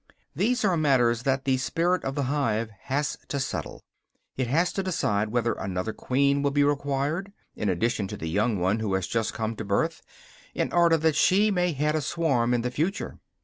These are matters that the "spirit of the hive" has to settle; it has to decide whether another queen will be required, in addition to the young one who has just come to birth, in order that she may head a swarm in the future.